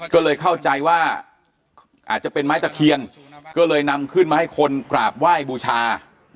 ก็เลยเข้าใจว่าอาจจะเป็นไม้ตะเคียนก็เลยนำขึ้นมาให้คนกราบไหว้บูชา